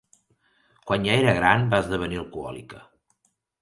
Quan ja era gran va esdevenir alcohòlica.